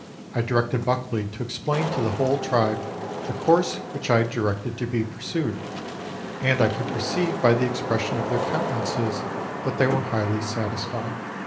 I directed Buckley to explain to the whole tribe the course 1 which I had directed to be pursued, and I could perceive by the expression of their countenances that they were highly satisfied.